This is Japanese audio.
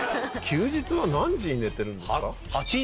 休日は何時に寝てるんですか？